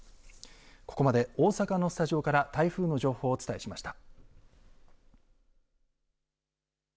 ここまで大阪のスタジオから台風の情報をお伝えしました。